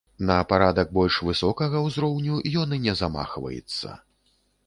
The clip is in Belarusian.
На парадак больш высокага ўзроўню ён і не замахваецца.